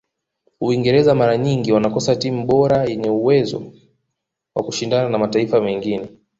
uingereza mara nyingi wanakosa timu bora yenyewe uwezo wa kushindana na mataifa mengine